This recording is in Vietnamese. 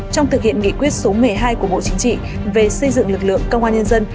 trong thực hiện nghị quyết số một mươi hai của bộ chính trị về xây dựng lực lượng công an nhân dân